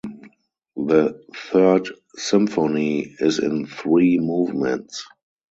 The Third Symphony is in three movements.